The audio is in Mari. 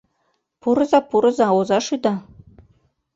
Пурыза, пурыза, оза шӱда.